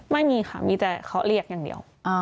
ไม่มีค่ะมีแต่เขาเรียกอย่างเดียว